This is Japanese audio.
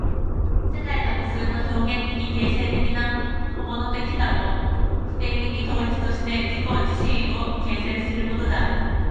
世界が無数の表現的形成的な個物的多の否定的統一として自己自身を形成することである。